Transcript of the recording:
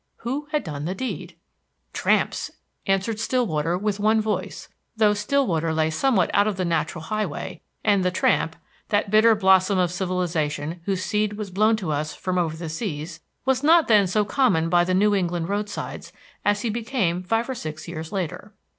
Who had done the deed? Tramps! answered Stillwater, with one voice, though Stillwater lay somewhat out of the natural highway, and the tramp that bitter blossom of civilization whose seed was blown to us from over seas was not then so common by the New England roadsides as he became five or six years later.